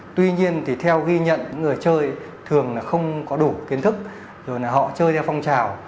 tuy nhiên theo ghi nhận người chơi thường không có đủ kiến thức rồi họ chơi theo phong trào